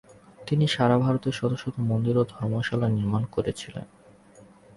তিনি সারা ভারতে শত শত মন্দির ও ধর্মশালা নির্মাণ করেছিলেন।